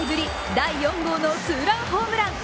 第４号のツーランホームラン。